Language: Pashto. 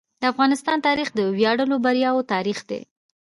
د افغانستان تاریخ د ویاړلو بریاوو تاریخ دی.